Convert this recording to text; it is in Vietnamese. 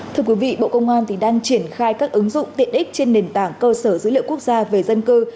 thưa quý vị bộ công an đang triển khai các ứng dụng tiện ích trên nền tảng cơ sở dữ liệu quốc gia về dân cư